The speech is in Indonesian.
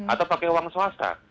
atau pakai uang swasta